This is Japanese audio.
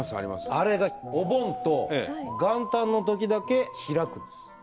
あれがお盆と元旦のときだけ開くんです。